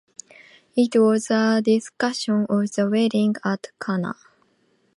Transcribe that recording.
It was a discussion of the wedding at Cana.